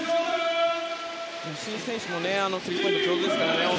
吉井選手もスリーポイント上手ですからね。